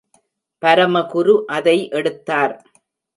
பரமகுரு அதை எடுத்தார்.